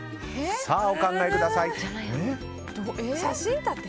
お考えください。